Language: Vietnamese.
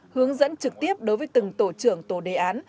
hướng dẫn trực tiếp đối với từng tổ trưởng tổ đề án